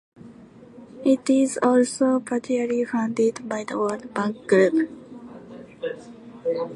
It is also partially funded by the World Bank Group.